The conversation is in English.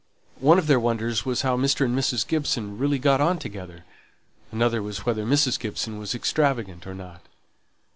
One of their wonders was how Mr. and Mrs. Gibson really got on together; another was whether Mrs. Gibson was extravagant or not.